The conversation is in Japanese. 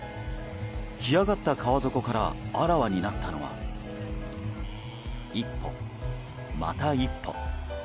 干上がった川底からあらわになったのは１歩、また１歩。